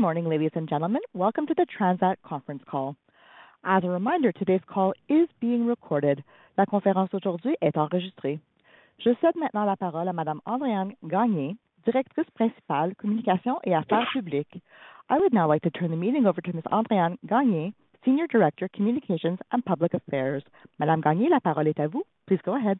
Good morning, ladies and gentlemen. Welcome to the Transat conference call. As a reminder, today's call is being recorded. La conférence aujourd'hui est enregistrée. Je cède maintenant la parole à Madame Andrée-Anne Gagné, Directrice Principale, Communication et Affaires Publiques. I would now like to turn the meeting over to Ms. Andrée-Anne Gagné, Senior Director, Communications and Public Affairs. Madame Gagné, la parole est à vous. Please go ahead.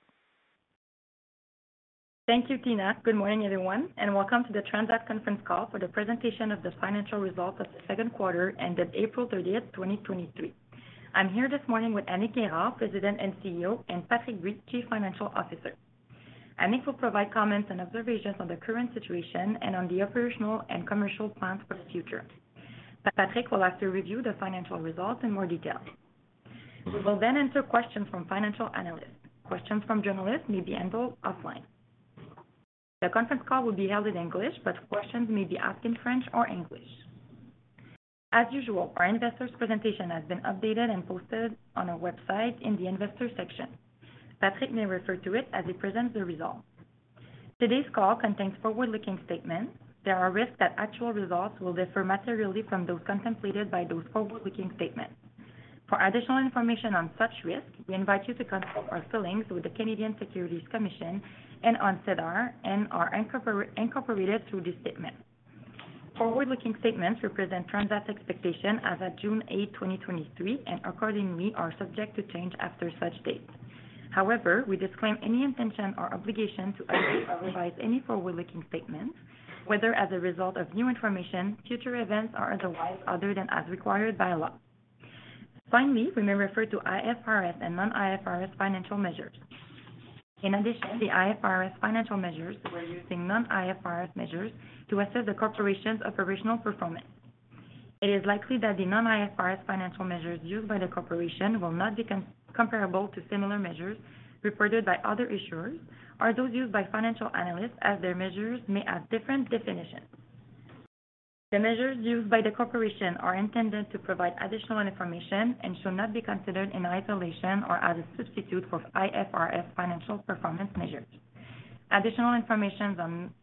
Thank you, Tina. Good morning, everyone, and welcome to the Transat conference call for the presentation of the financial results of the 2nd quarter ended April 30th, 2023. I'm here this morning with Annick Guérard, President and CEO, and Patrick Bui, Chief Financial Officer. Annick will provide comments and observations on the current situation and on the operational and commercial plans for the future. Patrick will also review the financial results in more detail. We will then answer questions from financial analysts. Questions from journalists may be handled offline. The conference call will be held in English, but questions may be asked in French or English. As usual, our investors' presentation has been updated and posted on our website in the Investors section. Patrick may refer to it as he presents the results. Today's call contains forward-looking statements. There are risks that actual results will differ materially from those contemplated by those forward-looking statements. For additional information on such risks, we invite you to consult our filings with the Canadian Securities Administrators and on SEDAR and are incorporated through this statement. Forward-looking statements represent Transat's expectation as of June 8, 2023, and accordingly are subject to change after such date. We disclaim any intention or obligation to update or revise any forward-looking statements, whether as a result of new information, future events, or otherwise, other than as required by law. We may refer to IFRS and non-IFRS financial measures. In addition, the IFRS financial measures, we're using non-IFRS measures to assess the corporation's operational performance. It is likely that the non-IFRS financial measures used by the corporation will not be comparable to similar measures reported by other issuers or those used by financial analysts, as their measures may have different definitions. The measures used by the corporation are intended to provide additional information and should not be considered in isolation or as a substitute for IFRS financial performance measures. Additional informations on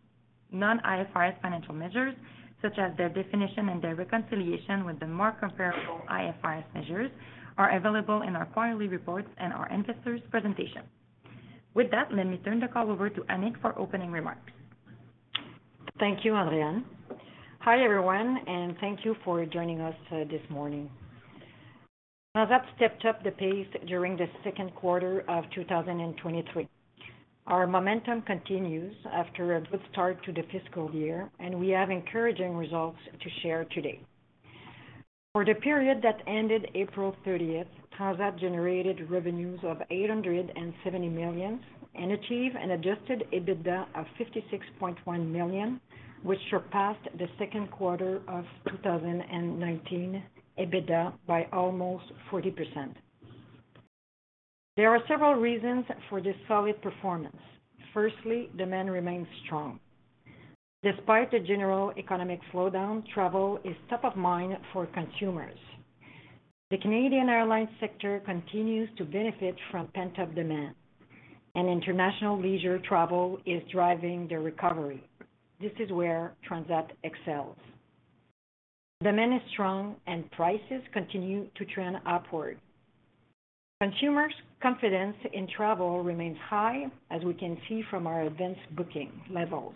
non-IFRS financial measures, such as their definition and their reconciliation with the more comparable IFRS measures, are available in our quarterly reports and our investors' presentation. With that, let me turn the call over to Annick for opening remarks. Thank you, Andrée-Anne. Hi, everyone, thank you for joining us this morning. Transat stepped up the pace during the second quarter of 2023. Our momentum continues after a good start to the fiscal year, we have encouraging results to share today. For the period that ended April 30th, Transat generated revenues of 870 million and achieved an adjusted EBITDA of 56.1 million, which surpassed the second quarter of 2019 EBITDA by almost 40%. There are several reasons for this solid performance. Firstly, demand remains strong. Despite the general economic slowdown, travel is top of mind for consumers. The Canadian airline sector continues to benefit from pent-up demand, international leisure travel is driving the recovery. This is where Transat excels. Demand is strong, prices continue to trend upward. Consumers' confidence in travel remains high, as we can see from our advanced booking levels,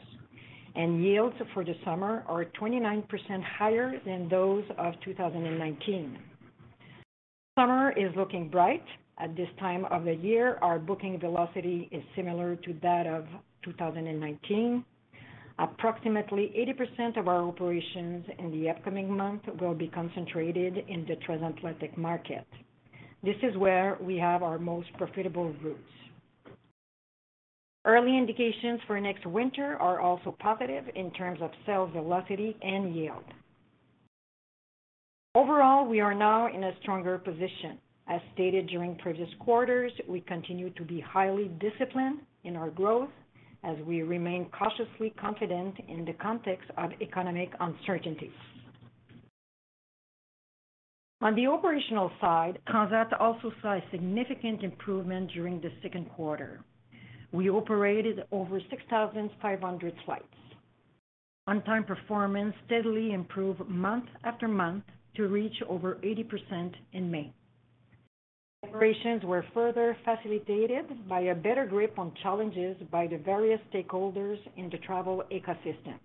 and yields for the summer are 29% higher than those of 2019. Summer is looking bright. At this time of the year, our booking velocity is similar to that of 2019. Approximately 80% of our operations in the upcoming month will be concentrated in the transatlantic market. This is where we have our most profitable routes. Early indications for next winter are also positive in terms of sales velocity and yield. Overall, we are now in a stronger position. As stated during previous quarters, we continue to be highly disciplined in our growth as we remain cautiously confident in the context of economic uncertainties. On the operational side, Transat also saw a significant improvement during the second quarter. We operated over 6,500 flights. On-time performance steadily improved month after month to reach over 80% in May. Operations were further facilitated by a better grip on challenges by the various stakeholders in the travel ecosystem.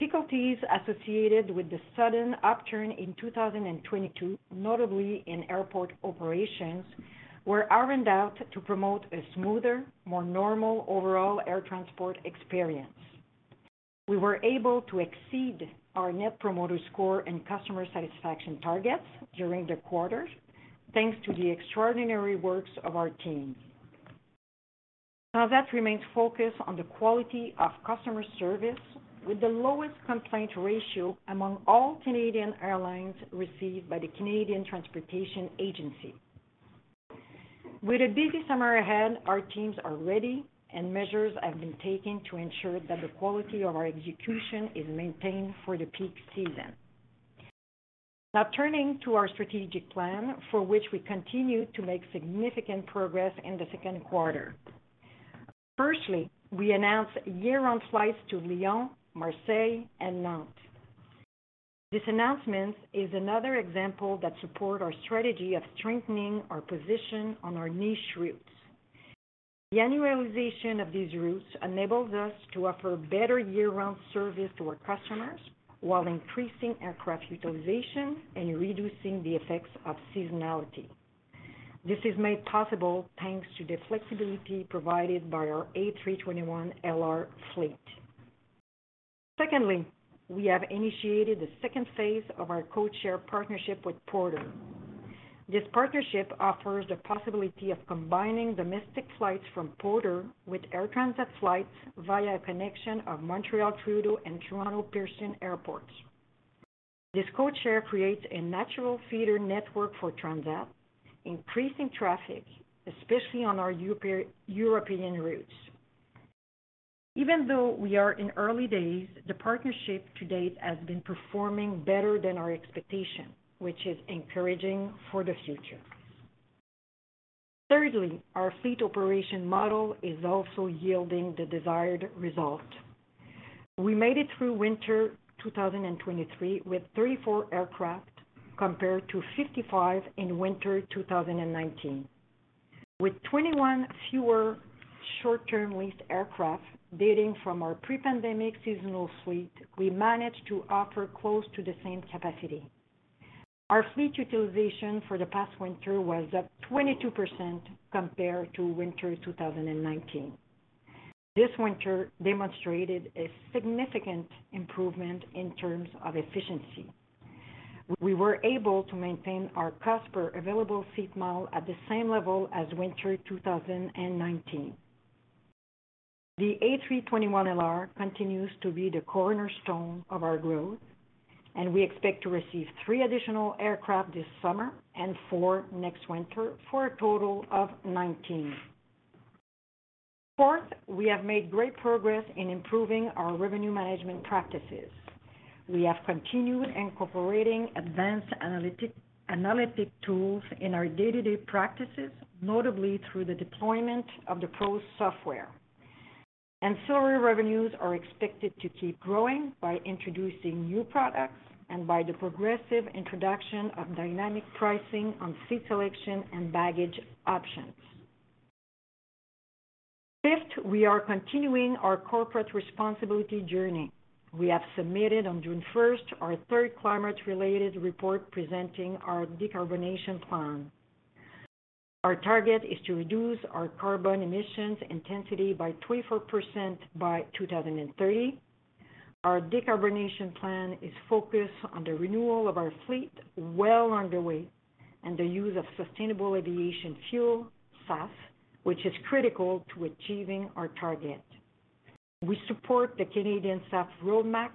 Difficulties associated with the sudden upturn in 2022, notably in airport operations, were ironed out to promote a smoother, more normal overall air transport experience. We were able to exceed our Net Promoter Score and customer satisfaction targets during the quarter, thanks to the extraordinary works of our team. Transat remains focused on the quality of customer service, with the lowest complaint ratio among all Canadian airlines received by the Canadian Transportation Agency. With a busy summer ahead, our teams are ready, and measures have been taken to ensure that the quality of our execution is maintained for the peak season. Turning to our strategic plan, for which we continue to make significant progress in the second quarter. Firstly, we announced year-round flights to Lyon, Marseille, and Nantes. This announcement is another example that support our strategy of strengthening our position on our niche routes. The annualization of these routes enables us to offer better year-round service to our customers, while increasing aircraft utilization and reducing the effects of seasonality. This is made possible thanks to the flexibility provided by our A321LR fleet. Secondly, we have initiated the second phase of our codeshare partnership with Porter. This partnership offers the possibility of combining domestic flights from Porter with Air Transat flights via a connection of Montreal, Trudeau, and Toronto Pearson Airport. This codeshare creates a natural feeder network for Transat, increasing traffic, especially on our European routes. Even though we are in early days, the partnership to date has been performing better than our expectation, which is encouraging for the future. Thirdly, our fleet operation model is also yielding the desired result. We made it through winter 2023 with 34 aircraft, compared to 55 in winter 2019. With 21 fewer short-term leased aircraft dating from our pre-pandemic seasonal fleet, we managed to offer close to the same capacity. Our fleet utilization for the past winter was up 22% compared to winter 2019. This winter demonstrated a significant improvement in terms of efficiency. We were able to maintain our cost per available seat mile at the same level as winter 2019. The A321LR continues to be the cornerstone of our growth, and we expect to receive three additional aircraft this summer and four next winter, for a total of 19. Fourth, we have made great progress in improving our revenue management practices. We have continued incorporating advanced analytic tools in our day-to-day practices, notably through the deployment of the PROS software. Ancillary revenues are expected to keep growing by introducing new products and by the progressive introduction of dynamic pricing on seat selection and baggage options. Fifth, we are continuing our corporate responsibility journey. We have submitted on June 1st, our third climate-related report, presenting our decarbonization plan. Our target is to reduce our carbon emissions intensity by 24% by 2030. Our decarbonization plan is focused on the renewal of our fleet well underway, and the use of sustainable aviation fuel, SAF, which is critical to achieving our target. We support the Canadian SAF Roadmap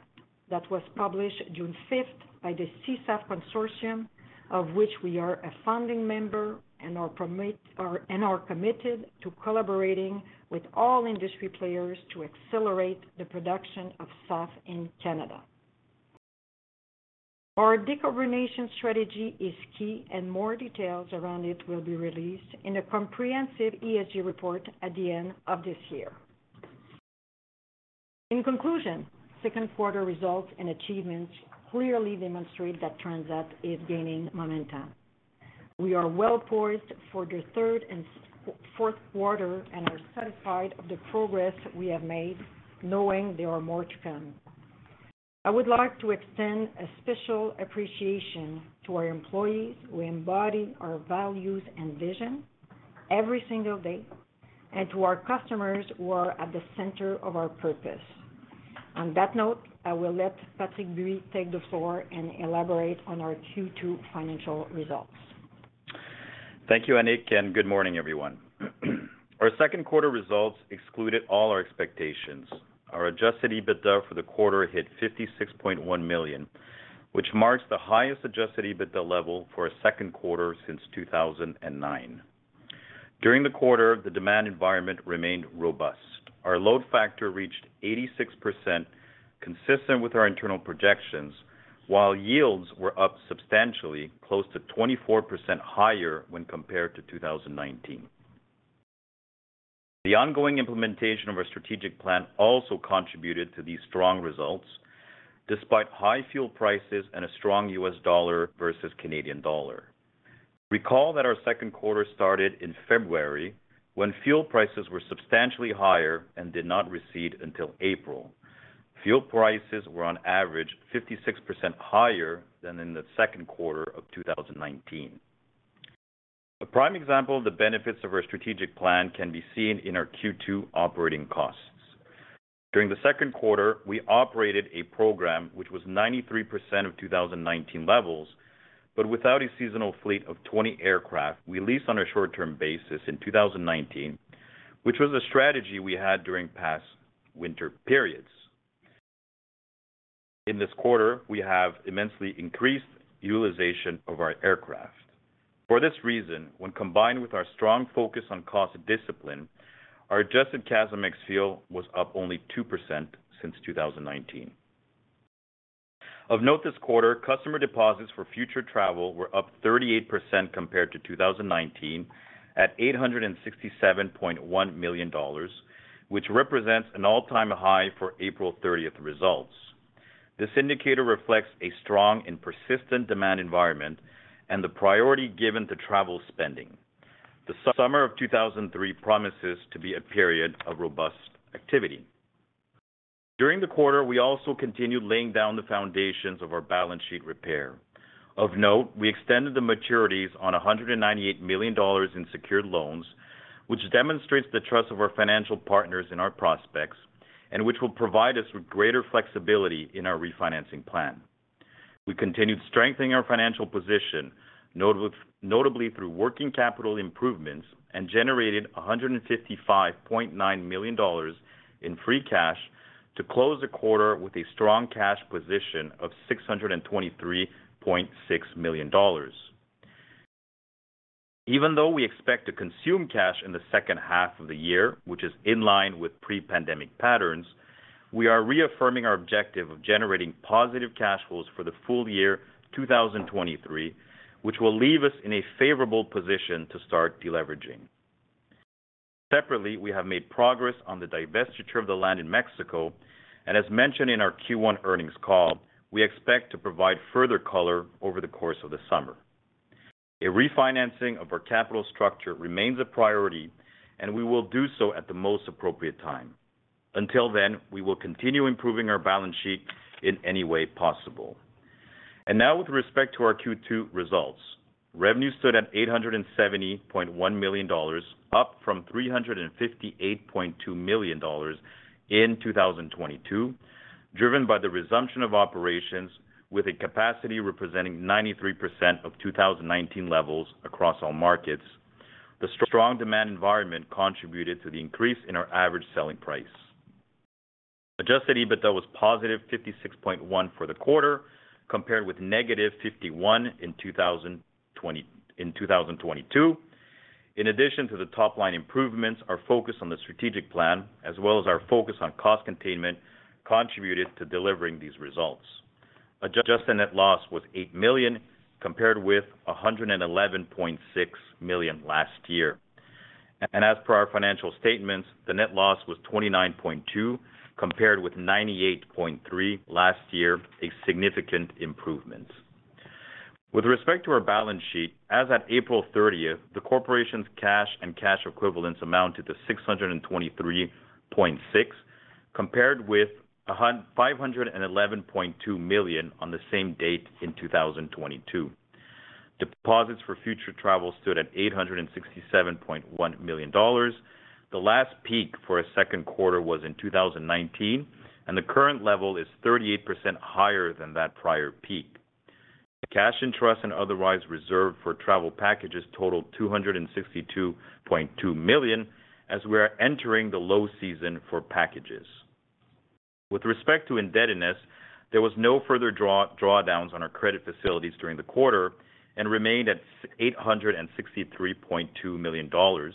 that was published June fifth by the C-SAF Consortium, of which we are a founding member and are committed to collaborating with all industry players to accelerate the production of SAF in Canada. Our decarbonization strategy is key, and more details around it will be released in a comprehensive ESG report at the end of this year. In conclusion, second quarter results and achievements clearly demonstrate that Transat is gaining momentum. We are well poised for the third and fourth quarter and are satisfied of the progress we have made, knowing there are more to come. I would like to extend a special appreciation to our employees, who embody our values and vision every single day, and to our customers who are at the center of our purpose. On that note, I will let Patrick Bui take the floor and elaborate on our Q2 financial results. Thank you, Annick, and good morning, everyone. Our second quarter results excluded all our expectations. Our adjusted EBITDA for the quarter hit 56.1 million, which marks the highest adjusted EBITDA level for a second quarter since 2009. During the quarter, the demand environment remained robust. Our load factor reached 86%, consistent with our internal projections, while yields were up substantially, close to 24% higher when compared to 2019. The ongoing implementation of our strategic plan also contributed to these strong results, despite high fuel prices and a strong U.S. dollar versus Canadian dollar. Recall that our second quarter started in February, when fuel prices were substantially higher and did not recede until April. Fuel prices were on average 56% higher than in the second quarter of 2019. A prime example of the benefits of our strategic plan can be seen in our Q2 operating costs. During the second quarter, we operated a program which was 93% of 2019 levels, without a seasonal fleet of 20 aircraft we leased on a short-term basis in 2019, which was a strategy we had during past winter periods. In this quarter, we have immensely increased utilization of our aircraft. For this reason, when combined with our strong focus on cost discipline, our adjusted CASM ex fuel was up only 2% since 2019. Of note, this quarter, customer deposits for future travel were up 38% compared to 2019, at 867.1 million dollars, which represents an all-time high for April 30th results. This indicator reflects a strong and persistent demand environment and the priority given to travel spending. The summer of 2023 promises to be a period of robust activity. During the quarter, we also continued laying down the foundations of our balance sheet repair. Of note, we extended the maturities on 198 million dollars in secured loans, which demonstrates the trust of our financial partners in our prospects, and which will provide us with greater flexibility in our refinancing plan. We continued strengthening our financial position, notably through working capital improvements and generated 155.9 million dollars in free cash to close the quarter with a strong cash position of 623.6 million dollars. Even though we expect to consume cash in the second half of the year, which is in line with pre-pandemic patterns, we are reaffirming our objective of generating positive cash flows for the full year 2023, which will leave us in a favorable position to start deleveraging. Separately, we have made progress on the divestiture of the land in Mexico, and as mentioned in our Q1 earnings call, we expect to provide further color over the course of the summer. A refinancing of our capital structure remains a priority, and we will do so at the most appropriate time. Until then, we will continue improving our balance sheet in any way possible. Now, with respect to our Q2 results, revenue stood at 870.1 million dollars, up from 358.2 million dollars in 2022, driven by the resumption of operations with a capacity representing 93% of 2019 levels across all markets. The strong demand environment contributed to the increase in our average selling price. Adjusted EBITDA was positive 56.1 for the quarter, compared with negative 51 in 2022. In addition to the top-line improvements, our focus on the strategic plan, as well as our focus on cost containment, contributed to delivering these results. Adjusted net loss was 8 million, compared with 111.6 million last year. As per our financial statements, the net loss was 29.2 million, compared with 98.3 million last year, a significant improvement. With respect to our balance sheet, as at April 30th, the corporation's cash and cash equivalents amounted to 623.6 million, compared with 511.2 million on the same date in 2022. Deposits for future travel stood at 867.1 million dollars. The last peak for a second quarter was in 2019, and the current level is 38% higher than that prior peak. The cash interest and otherwise reserved for travel packages totaled 262.2 million, as we are entering the low season for packages. With respect to indebtedness, there was no further drawdowns on our credit facilities during the quarter and remained at 863.2 million dollars,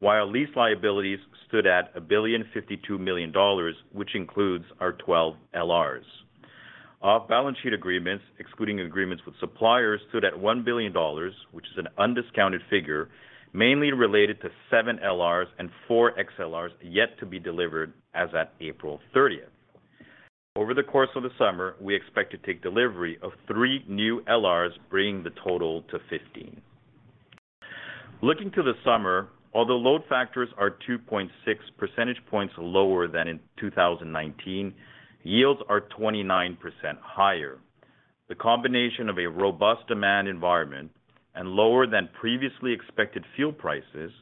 while our lease liabilities stood at 1,052 million dollars, which includes our 12 LRs. Our balance sheet agreements, excluding agreements with suppliers, stood at 1 billion dollars, which is an undiscounted figure, mainly related to seven LRs and four XLRs yet to be delivered as at April thirtieth. Over the course of the summer, we expect to take delivery of three new LRs, bringing the total to 15. Looking to the summer, although load factors are 2.6 percentage points lower than in 2019, yields are 29% higher. The combination of a robust demand environment and lower than previously expected fuel prices,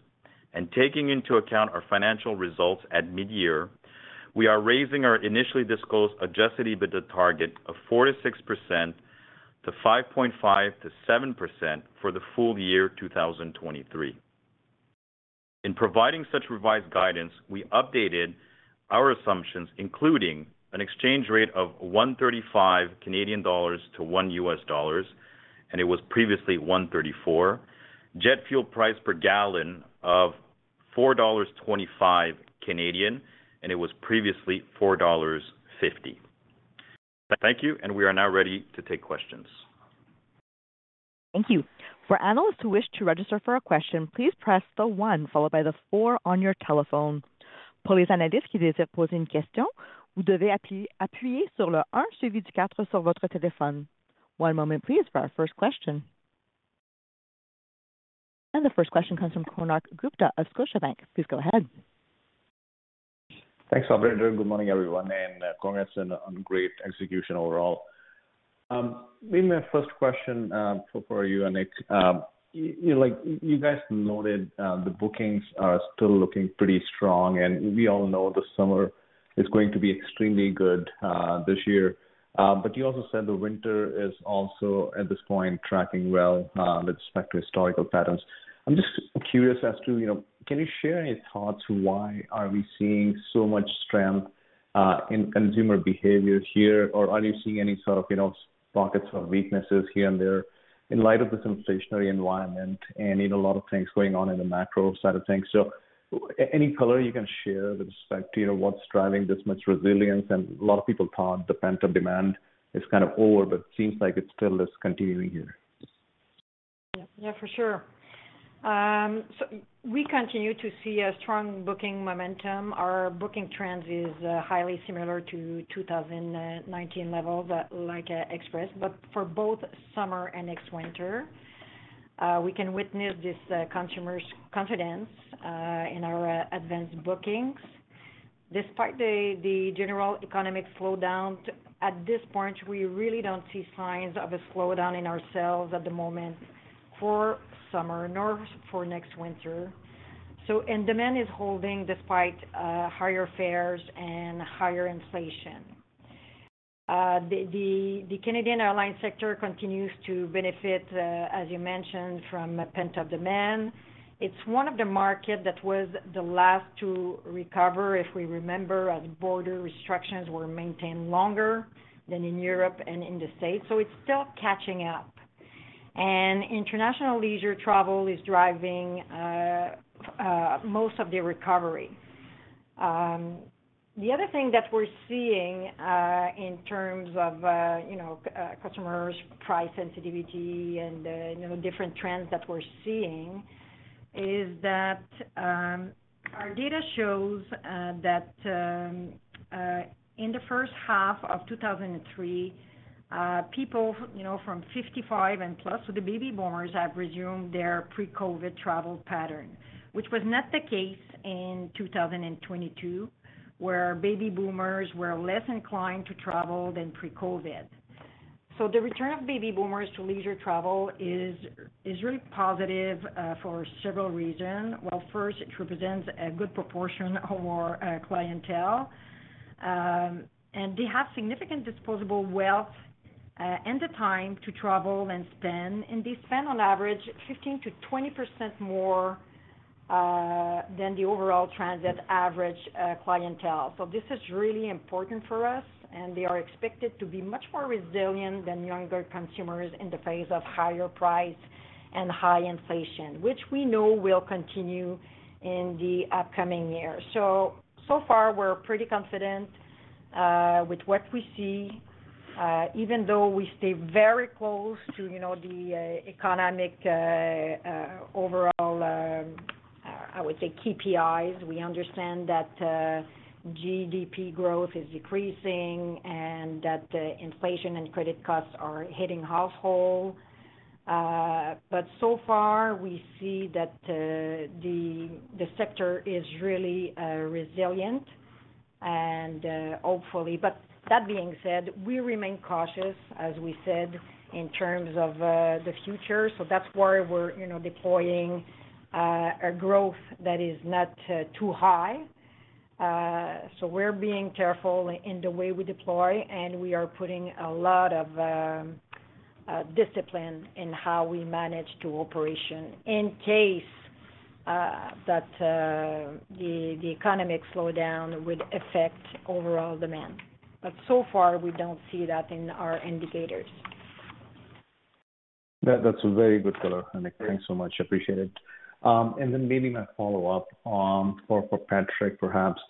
and taking into account our financial results at midyear, we are raising our initially disclosed adjusted EBITDA target of 4%-6% to 5.5%-7% for the full year 2023. In providing such revised guidance, we updated our assumptions, including an exchange rate of 1.35 Canadian dollars to 1 US dollars. It was previously 1.34. Jet fuel price per gallon of 4.25 Canadian dollars. It was previously 4.50 dollars. Thank you. We are now ready to take questions. Thank you. For analysts who wish to register for a question, please press the one followed by the four on your telephone. For the analyst who desire to pose in question, appuyer sur le un suivi du quatre sur votre téléphone. One moment, please, for our first question. The first question comes from Konark Gupta of Scotiabank. Please go ahead. Thanks, operator. Good morning, everyone, and congrats on great execution overall. Maybe my first question for you, Annick. You like, you guys noted, the bookings are still looking pretty strong, and we all know the summer. Is going to be extremely good this year. You also said the winter is also, at this point, tracking well with respect to historical patterns. I'm just curious as to, you know, can you share any thoughts why are we seeing so much strength in consumer behavior here? Are you seeing any sort of, you know, pockets of weaknesses here and there in light of this inflationary environment, and in a lot of things going on in the macro side of things? Any color you can share with respect to, you know, what's driving this much resilience? A lot of people thought the pent-up demand is kind of over, but it seems like it still is continuing here. Yeah, for sure. We continue to see a strong booking momentum. Our booking trends is highly similar to 2019 levels, like Express. For both summer and next winter, we can witness this consumers' confidence in our advanced bookings. Despite the general economic slowdown, at this point, we really don't see signs of a slowdown in our sales at the moment for summer nor for next winter. Demand is holding despite higher fares and higher inflation. The Canadian airline sector continues to benefit, as you mentioned, from pent-up demand. It's one of the market that was the last to recover, if we remember, as border restrictions were maintained longer than in Europe and in the States, so it's still catching up. International leisure travel is driving most of the recovery. The other thing that we're seeing, in terms of, you know, customers' price sensitivity and, you know, different trends that we're seeing, is that our data shows that in the first half of 2023, people, you know, from 55 and plus, so the baby boomers, have resumed their pre-COVID travel pattern, which was not the case in 2022, where baby boomers were less inclined to travel than pre-COVID. The return of baby boomers to leisure travel is really positive for several reasons. First, it represents a good proportion of our clientele, and they have significant disposable wealth, and the time to travel and spend, and they spend on average 15%-20% more than the overall Transat average clientele. This is really important for us, and they are expected to be much more resilient than younger consumers in the face of higher price and high inflation, which we know will continue in the upcoming year. So far, we're pretty confident with what we see, even though we stay very close to, you know, the economic overall, I would say KPIs. We understand that GDP growth is decreasing and that inflation and credit costs are hitting household. So far, we see that the sector is really resilient, and hopefully. That being said, we remain cautious, as we said, in terms of the future. That's why we're, you know, deploying a growth that is not too high. We're being careful in the way we deploy, and we are putting a lot of discipline in how we manage to operation in case that the economic slowdown would affect overall demand. So far, we don't see that in our indicators. That's a very good color, Annick. Thanks so much. Appreciate it. Then maybe my follow-up for Patrick, perhaps.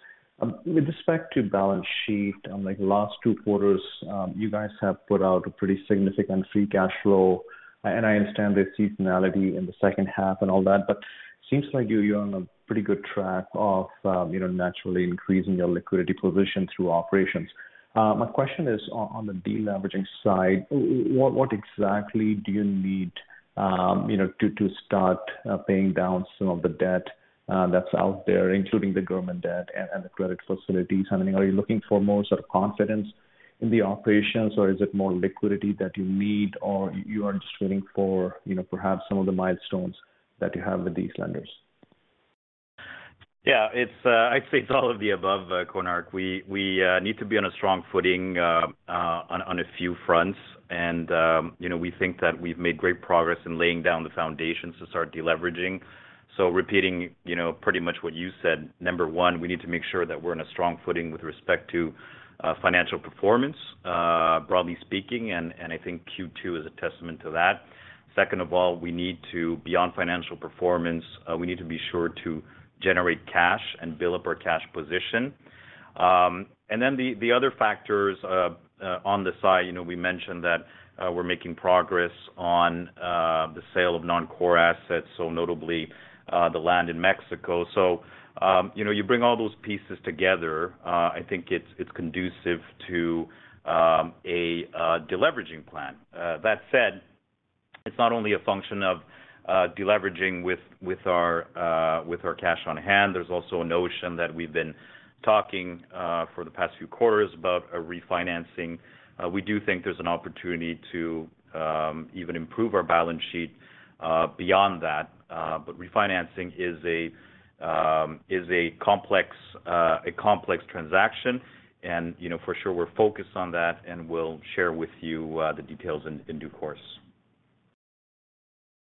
With respect to balance sheet, like last two quarters, you guys have put out a pretty significant free cash flow, and I understand the seasonality in the second half and all that, seems like you're on a pretty good track of, you know, naturally increasing your liquidity position through operations. My question is on the deleveraging side, what exactly do you need, you know, to start paying down some of the debt that's out there, including the government debt and the credit facilities? I mean, are you looking for more sort of confidence in the operations, or is it more liquidity that you need, or you are just waiting for, you know, perhaps some of the milestones that you have with these lenders? Yeah, it's, I'd say it's all of the above, Konark. We need to be on a strong footing on a few fronts, and, you know, we think that we've made great progress in laying down the foundations to start deleveraging. Repeating, you know, pretty much what you said, number one, we need to make sure that we're in a strong footing with respect to financial performance, broadly speaking, and I think Q2 is a testament to that. Second of all, we need to, beyond financial performance, we need to be sure to generate cash and build up our cash position. And then the other factors on the side, you know, we mentioned that we're making progress on the sale of non-core assets, so notably, the land in Mexico. You know, you bring all those pieces together, I think it's conducive to a deleveraging plan. It's not only a function of deleveraging with our cash on hand. There's also a notion that we've been talking for the past few quarters about a refinancing. We do think there's an opportunity to even improve our balance sheet beyond that. Refinancing is a complex, a complex transaction, and, you know, for sure we're focused on that, and we'll share with you the details in due course.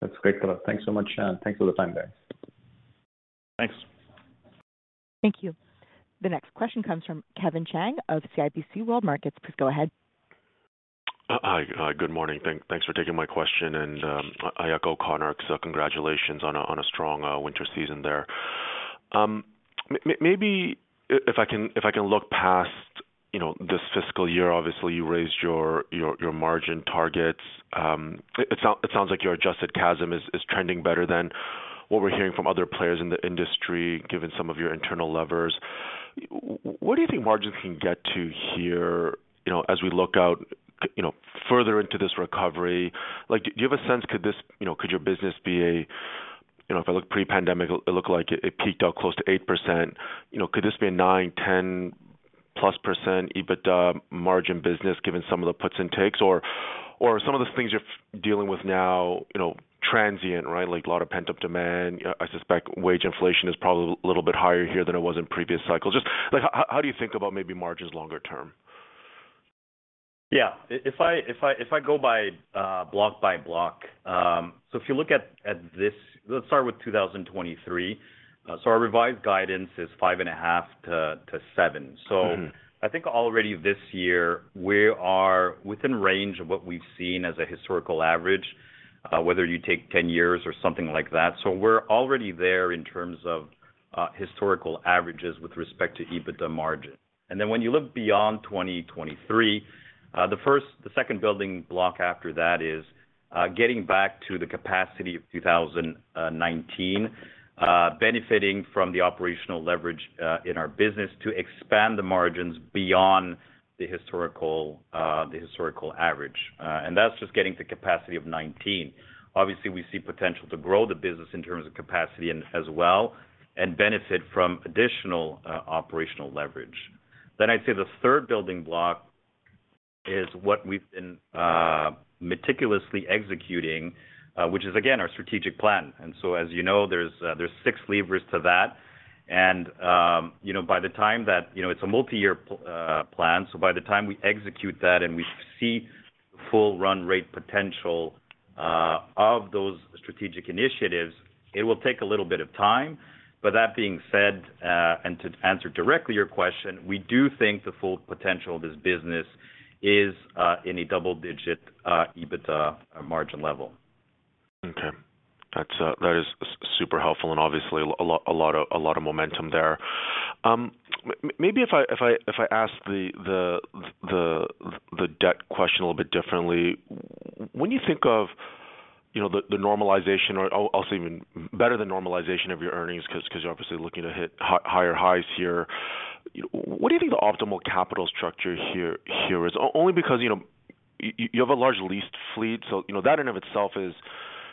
That's great. Thanks so much, and thanks for the time, guys. Thanks. Thank you. The next question comes from Kevin Chiang of CIBC World Markets. Please go ahead. Hi. Good morning. Thanks for taking my question. I echo Konark, congratulations on a strong winter season there. Maybe if I can look past, you know, this fiscal year, obviously you raised your margin targets. It sounds like your adjusted CASM is trending better than what we're hearing from other players in the industry, given some of your internal levers. What do you think margins can get to here, you know, as we look out, you know, further into this recovery? Like, do you have a sense, could this, you know, could your business be a, you know, if I look pre-pandemic, it looked like it peaked out close to 8%? You know, could this be a nine, 10+% EBITDA margin business, given some of the puts and takes? Are some of the things you're dealing with now, you know, transient, right, like a lot of pent-up demand? I suspect wage inflation is probably a little bit higher here than it was in previous cycles. Just, like, how do you think about maybe margins longer term? Yeah. If I go by block by block, if you look at this. Let's start with 2023. Our revised guidance is 5.5%-7%. Mm-hmm. I think already this year, we are within range of what we've seen as a historical average, whether you take 10 years or something like that. We're already there in terms of historical averages with respect to EBITDA margin. When you look beyond 2023, the second building block after that is getting back to the capacity of 2019, benefiting from the operational leverage in our business to expand the margins beyond the historical, the historical average. That's just getting to capacity of 19. Obviously, we see potential to grow the business in terms of capacity and as well, and benefit from additional operational leverage. I'd say the third building block is what we've been meticulously executing, which is, again, our strategic plan. as you know, there's six levers to that. You know, by the time it's a multi-year plan, so by the time we execute that and we see full run rate potential of those strategic initiatives, it will take a little bit of time. That being said, and to answer directly your question, we do think the full potential of this business is in a double-digit EBITDA margin level. Okay. That's, that is super helpful and obviously a lot of momentum there. Maybe if I ask the debt question a little bit differently. When you think of, you know, the normalization, or I'll say even better than normalization of your earnings, 'cause you're obviously looking to hit higher highs here, what do you think the optimal capital structure here is? Only because, you know, you have a large leased fleet, so, you know, that in and of itself is,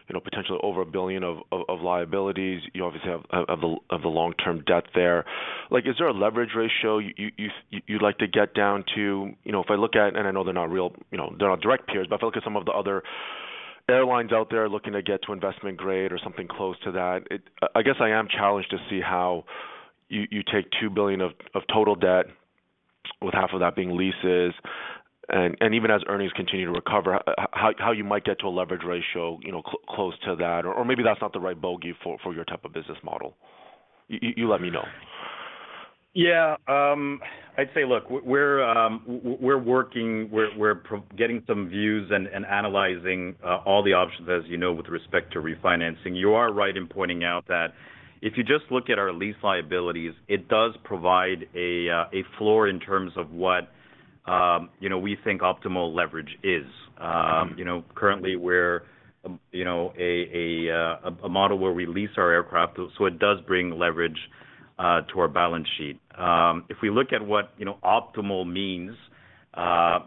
you know, potentially over 1 billion of liabilities. You obviously have of the long-term debt there. Like, is there a leverage ratio you'd like to get down to? You know, if I look at, and I know they're not real, you know, they're not direct peers, but if I look at some of the other airlines out there looking to get to investment grade or something close to that, I guess I am challenged to see how you take 2 billion of total debt, with half of that being leases, and even as earnings continue to recover, how you might get to a leverage ratio, you know, close to that, or maybe that's not the right bogey for your type of business model. You let me know. Yeah, I'd say, look, we're working, we're getting some views and analyzing all the options, as you know, with respect to refinancing. You are right in pointing out that if you just look at our lease liabilities, it does provide a floor in terms of what, you know, we think optimal leverage is. Currently, we're, you know, a model where we lease our aircraft, so it does bring leverage to our balance sheet. If we look at what, you know, optimal means,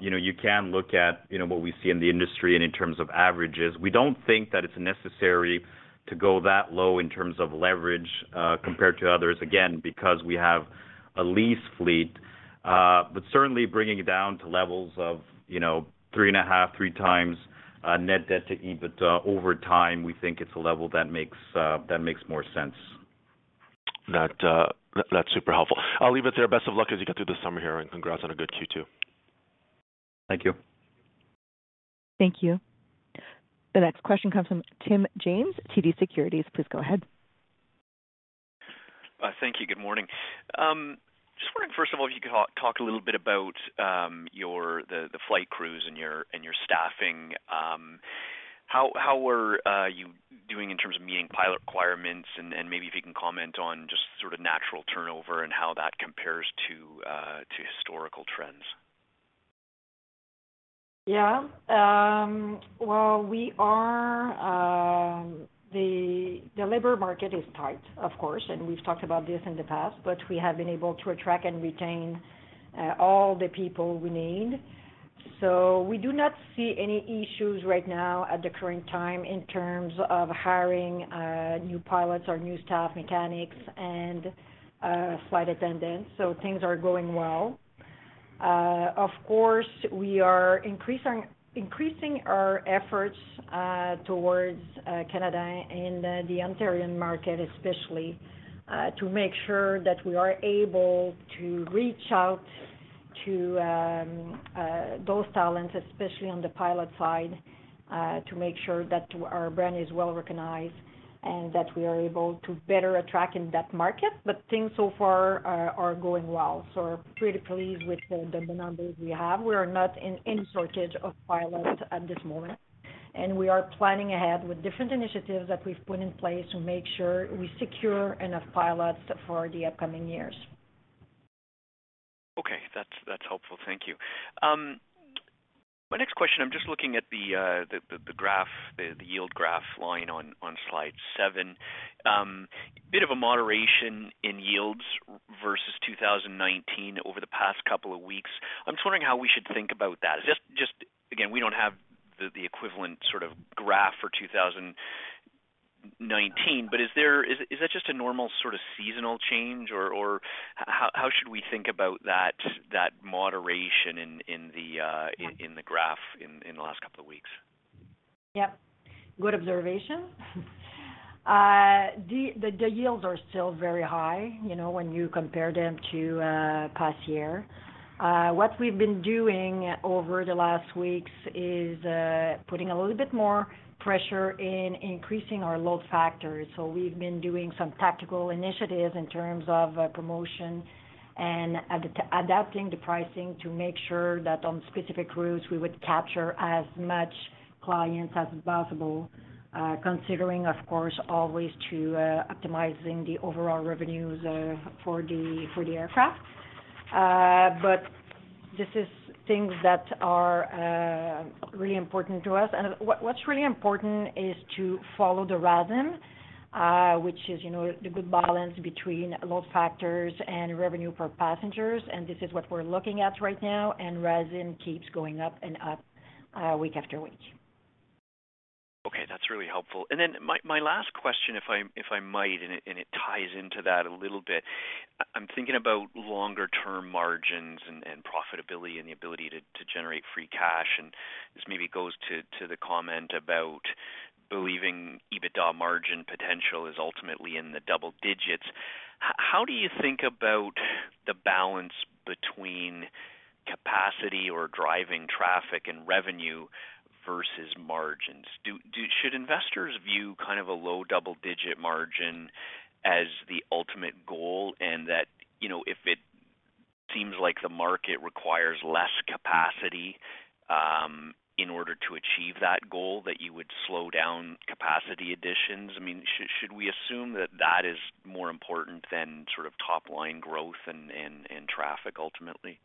you know, you can look at, you know, what we see in the industry and in terms of averages. We don't think that it's necessary to go that low in terms of leverage, compared to others, again, because we have a lease fleet. Certainly bringing it down to levels of, you know, 3.5, three times, net debt to EBITDA over time, we think it's a level that makes, that makes more sense. That, that's super helpful. I'll leave it there. Best of luck as you get through this summer here, and congrats on a good Q2. Thank you. Thank you. The next question comes from Tim James, TD Securities. Please go ahead. rning. Just wondering, first of all, if you could talk a little bit about your, the flight crews and your, and your staffing. How, how were you doing in terms of meeting pilot requirements? And maybe if you can comment on just sort of natural turnover and how that compares to historical trends. Yeah. Well, we are. The labor market is tight, of course, and we've talked about this in the past, we have been able to attract and retain all the people we need. We do not see any issues right now at the current time in terms of hiring new pilots or new staff, mechanics and flight attendants, so things are going well. Of course, we are increasing our efforts towards Canada and the Ontarian market, especially, to make sure that we are able to reach out to those talents, especially on the pilot side, to make sure that our brand is well-recognized and that we are able to better attract in that market. Things so far are going well, so we're pretty pleased with the numbers we have. We are not in any shortage of pilots at this moment, and we are planning ahead with different initiatives that we've put in place to make sure we secure enough pilots for the upcoming years. Okay, that's helpful. Thank you. My next question, I'm just looking at the graph, the yield graph line on slide 7. Bit of a moderation in yields versus 2019 over the past couple of weeks. I'm wondering how we should think about that. Just again, we don't have the equivalent sort of graph for 2019, but is that just a normal sort of seasonal change, or how should we think about that moderation in the graph in the last couple of weeks? Good observation. The yields are still very high, you know, when you compare them to past year. What we've been doing over the last weeks is putting a little bit more pressure in increasing our load factors. We've been doing some tactical initiatives in terms of promotion and adapting the pricing to make sure that on specific routes, we would capture as much clients as possible, considering, of course, always to optimizing the overall revenues for the aircraft. This is things that are really important to us. What's really important is to follow the RASM, which is, you know, the good balance between load factors and revenue per passengers, and this is what we're looking at right now, and RASM keeps going up and up week after week. Okay, that's really helpful. My last question, if I might, and it ties into that a little bit. I'm thinking about longer-term margins and profitability and the ability to generate free cash. This maybe goes to the comment about believing EBITDA margin potential is ultimately in the double digits. How do you think about the balance between capacity or driving traffic and revenue versus margins? Should investors view kind of a low double-digit margin as the ultimate goal, and that, you know, if it seems like the market requires less capacity, in order to achieve that goal, that you would slow down capacity additions? I mean, should we assume that that is more important than sort of top-line growth and traffic ultimately?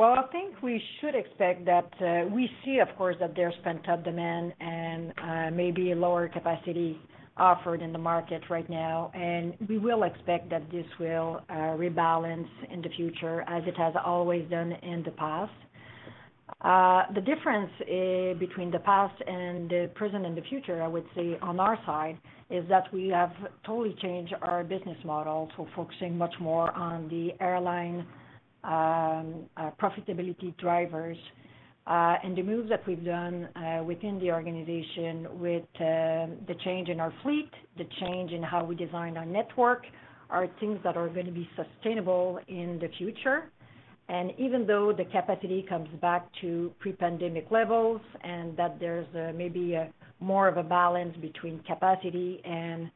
Well, I think we should expect that we see, of course, that there's pent-up demand and maybe a lower capacity offered in the market right now, and we will expect that this will rebalance in the future, as it has always done in the past. The difference between the past and the present and the future, I would say, on our side, is that we have totally changed our business model to focusing much more on the airline profitability drivers. The moves that we've done within the organization with the change in our fleet, the change in how we design our network, are things that are going to be sustainable in the future. Even though the capacity comes back to pre-pandemic levels and that there's maybe a more of a balance between capacity and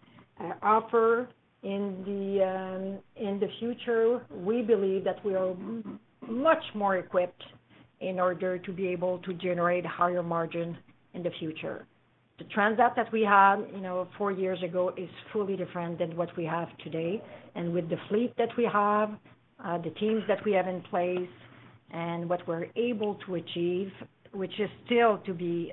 offer in the future, we believe that we are much more equipped in order to be able to generate higher margins in the future. The Transat that we had, you know, four years ago, is fully different than what we have today. With the fleet that we have, the teams that we have in place and what we're able to achieve, which is still to be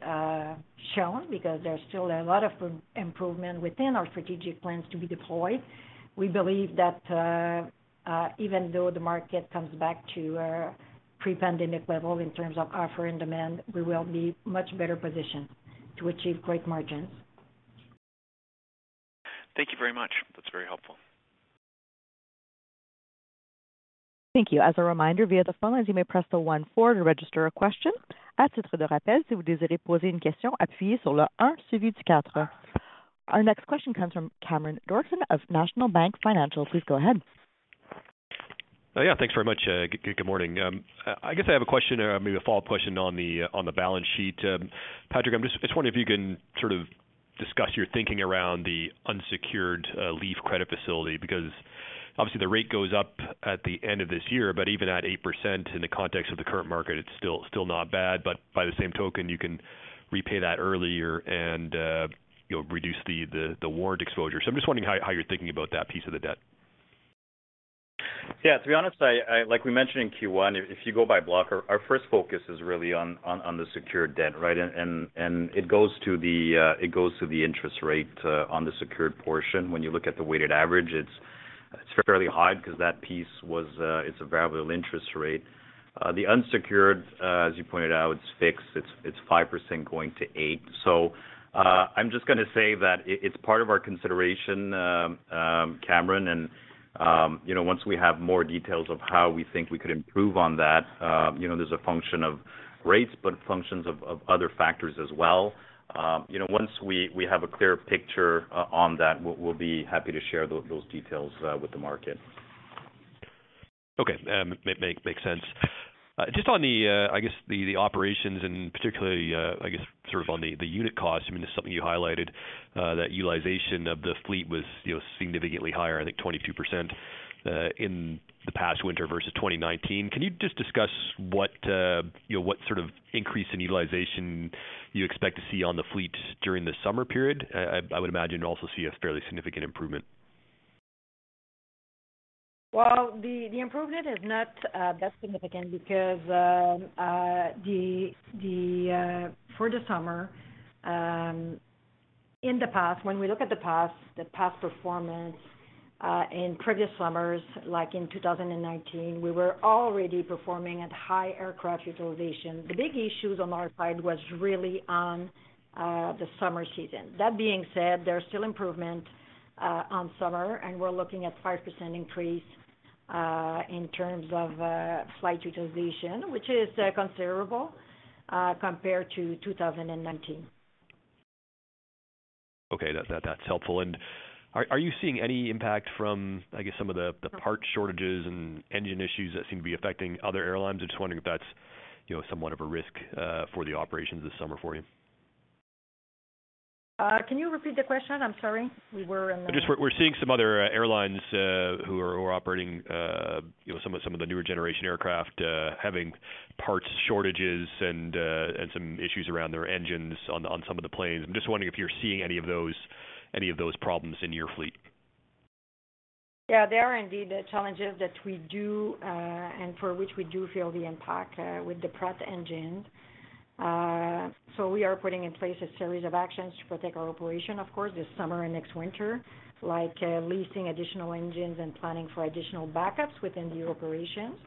shown, because there's still a lot of improvement within our strategic plans to be deployed, we believe that even though the market comes back to pre-pandemic level in terms of offer and demand, we will be much better positioned to achieve great margins. Thank you very much. That's very helpful. Thank you. As a reminder, via the phone lines, you may press the one four to register a question. „As titre de rappel, si vous désirez poser une question, appuyer sur le un suivi du quatre." Our next question comes from Cameron Doerksen of National Bank Financial. Please go ahead. Yeah, thanks very much. Good morning. I guess I have a question, or maybe a follow-up question on the balance sheet. Patrick, I was wondering if you can sort of discuss your thinking around the unsecured LEEFF credit facility, because obviously the rate goes up at the end of this year, but even at 8% in the context of the current market, it's still not bad, but by the same token, you can repay that earlier and you'll reduce the warrant exposure. I'm just wondering how you're thinking about that piece of the debt? Yeah, to be honest, I, like we mentioned in Q1, if you go by block, our first focus is really on the secured debt, right? It goes to the interest rate on the secured portion. When you look at the weighted average, it's fairly high because that piece was it's a variable interest rate. The unsecured, as you pointed out, it's fixed. It's 5% going to 8%. I'm just gonna say that it's part of our consideration, Cameron, and, you know, once we have more details of how we think we could improve on that, you know, there's a function of rates, but functions of other factors as well. You know, once we have a clearer picture, on that, we'll be happy to share those details with the market. Makes sense. Just on the, I guess the operations and particularly, I guess, sort of on the unit cost, I mean, it's something you highlighted, that utilization of the fleet was, you know, significantly higher, I think 22%, in the past winter versus 2019. Can you just discuss what, you know, what sort of increase in utilization you expect to see on the fleet during the summer period? I would imagine you'll also see a fairly significant improvement. The improvement is not that significant because for the summer, in the past, when we look at the past performance, in previous summers, like in 2019, we were already performing at high aircraft utilization. The big issues on our side was really on the summer season. That being said, there are still improvement on summer, and we're looking at 5% increase in terms of flight utilization, which is considerable compared to 2019. Okay, that's helpful. Are you seeing any impact from, I guess, some of the parts shortages and engine issues that seem to be affecting other airlines? I'm just wondering if that's, you know, somewhat of a risk for the operations this summer for you. Can you repeat the question? I'm sorry. We were in. We're seeing some other airlines who are operating, you know, some of the newer generation aircraft having parts shortages and some issues around their engines on some of the planes. I'm just wondering if you're seeing any of those problems in your fleet. There are indeed challenges that we do, and for which we do feel the impact with the Pratt & Whitney engine. We are putting in place a series of actions to protect our operation, of course, this summer and next winter, like leasing additional engines and planning for additional backups within the operations.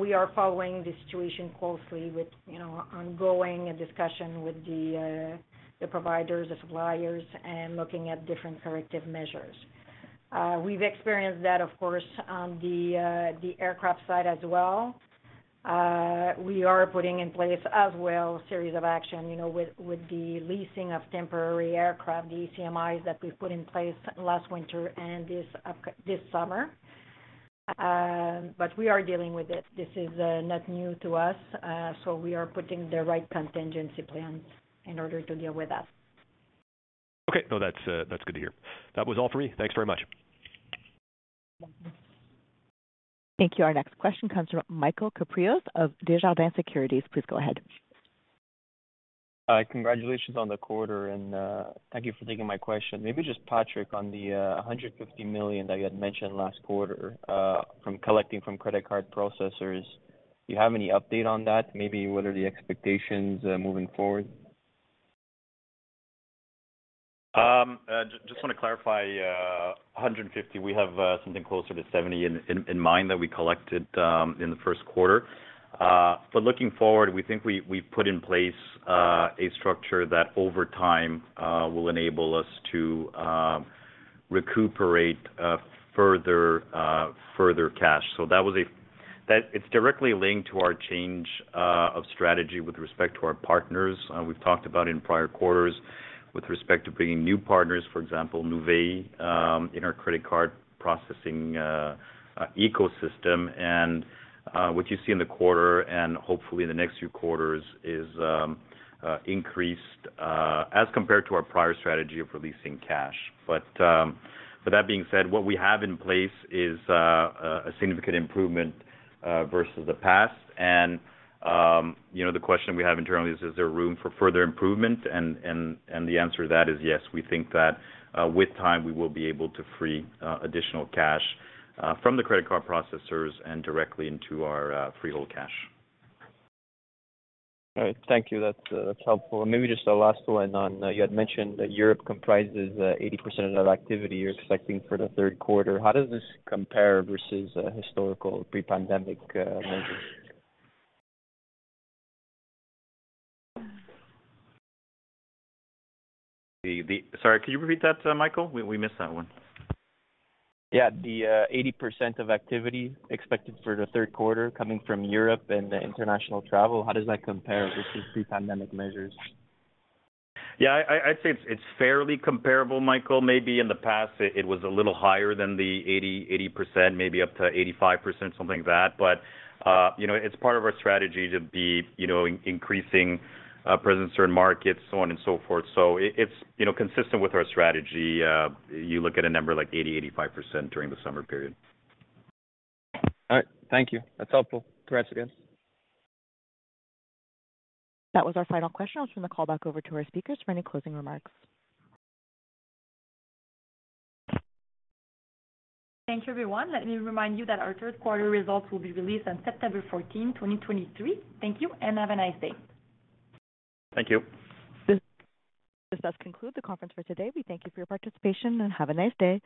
We are following the situation closely with, you know, ongoing discussion with the providers, the suppliers, and looking at different corrective measures. We've experienced that, of course, on the aircraft side as well. We are putting in place as well, series of action, you know, with the leasing of temporary aircraft, the ACMIs that we put in place last winter and this summer. We are dealing with it. This is not new to us. We are putting the right contingency plans in order to deal with that. Okay. No, that's good to hear. That was all for me. Thanks very much. Thank you. Thank you. Our next question comes from Michael Kypreos of Desjardins Securities. Please go ahead. Congratulations on the quarter. Thank you for taking my question. Maybe just, Patrick, on the 150 million that you had mentioned last quarter, from collecting from credit card processors. Do you have any update on that? Maybe what are the expectations, moving forward? Just want to clarify, 150, we have something closer to 70 in mind that we collected in the first quarter. Looking forward, we think we've put in place a structure that over time will enable us to recuperate further cash. It's directly linked to our change of strategy with respect to our partners. We've talked about in prior quarters with respect to bringing new partners, for example, Nuvei, in our credit card processing ecosystem. What you see in the quarter and hopefully in the next few quarters, is increased as compared to our prior strategy of releasing cash. That being said, what we have in place is a significant improvement versus the past. You know, the question we have internally is there room for further improvement? And the answer to that is yes. We think that with time, we will be able to free additional cash from the credit card processors and directly into our freehold cash. All right. Thank you. That's helpful. Maybe just a last one on, you had mentioned that Europe comprises, 80% of that activity you're expecting for the third quarter. How does this compare versus historical pre-pandemic measures? Sorry, could you repeat that, Michael? We missed that one. Yeah, the, 80% of activity expected for the third quarter coming from Europe and the international travel, how does that compare versus pre-pandemic measures? Yeah, I'd say it's fairly comparable, Michael. Maybe in the past, it was a little higher than the 80%, maybe up to 85%, something like that. you know, it's part of our strategy to be, you know, increasing presence in certain markets, so on and so forth. it's, you know, consistent with our strategy. You look at a number like 85% during the summer period. All right. Thank you. That's helpful. Congrats again. That was our final question. I'll turn the call back over to our speakers for any closing remarks. Thank you, everyone. Let me remind you that our third quarter results will be released on September fourteenth, 2023. Thank you, and have a nice day. Thank you. This does conclude the conference for today. We thank you for your participation. Have a nice day.